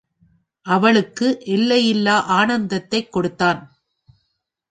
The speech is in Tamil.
அவளுக்கு எல்லையில்லா ஆனந்தத்தைக் கொடுத்தான்.